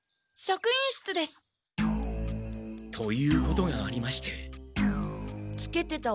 職員室です。ということがありまして。